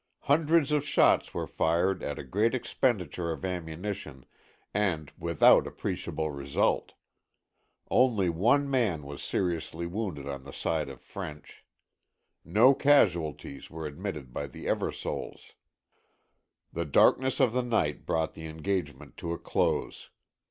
Hundreds of shots were fired at a great expenditure of ammunition and without appreciable result. Only one man was seriously wounded on the side of French. No casualties were admitted by the Eversoles. The darkness of the night brought the engagement to a close.